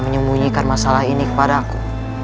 menyembunyikan masalah ini kepada aku